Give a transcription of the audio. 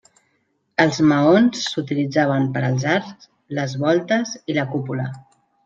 Els maons s'utilitzaven per als arcs, les voltes i la cúpula.